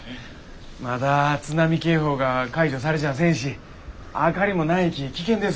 まだ津波警報が解除されちゃせんし明かりもないき危険です。